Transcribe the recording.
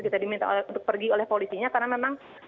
kita diminta untuk pergi oleh polisinya karena memang